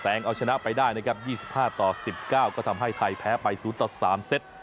แสงเอาชนะไปได้นะครับ๒๕ต่อ๑๙บราคาสำหรับชาวไทยก็ทำให้ไทยแพ้ไป๐ต่อ๓เซต